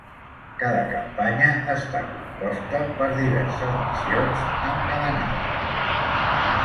Cada campanya està composta per diverses missions encadenades.